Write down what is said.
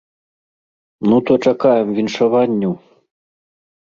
Ну то чакаем віншаванняў.